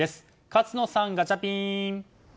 勝野さん、ガチャピン！